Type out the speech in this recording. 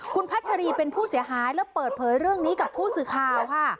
คุณพัชรีเป็นผู้เสียหายแล้วเปิดเผยเรื่องนี้กับผู้สื่อข่าวค่ะ